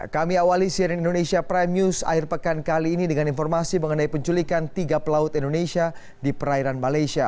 kami awali cnn indonesia prime news akhir pekan kali ini dengan informasi mengenai penculikan tiga pelaut indonesia di perairan malaysia